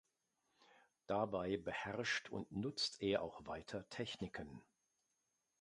Dabei beherrscht und nutzt er auch weiter Techniken.